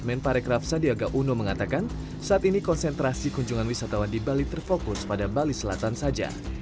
men parekraf sandiaga uno mengatakan saat ini konsentrasi kunjungan wisatawan di bali terfokus pada bali selatan saja